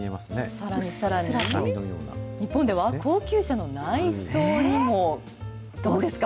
さらにさらに、今度は高級車の内装にも、どうですか？